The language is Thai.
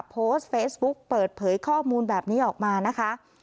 โพสต์เฟซบุ๊คเปิดเผยข้อมูลแบบนี้ออกมานะคะ